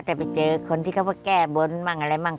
แต่ไปเจอคนที่เขาว่าแก้บ้นบ้างอะไรบ้าง